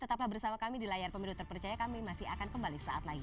tetaplah bersama kami di layar pemilu terpercaya kami masih akan kembali saat lagi